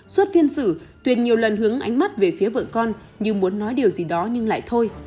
suốt phiên xử tuyền nhiều lần hướng ánh mắt về phía vợ con nhưng muốn nói điều gì đó nhưng lại thôi